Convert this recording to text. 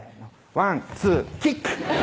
ワン・ツーキック！